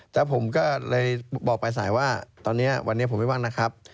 แล้วผมก็เลยบอกปลายสายว่าตอนนี้วันนี้ผมไม่ว่างนะครับ